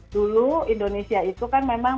dulu indonesia itu kan memang